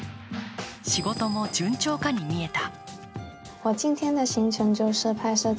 仕事も順調かに見えた。